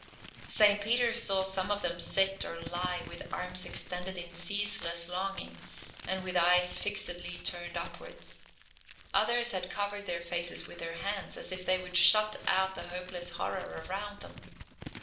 Saint Peter saw some of them sit or lie with arms extended in ceaseless longing, and with eyes fixedly turned upwards. Others had covered their faces with their hands, as if they would shut out the hopeless horror around them.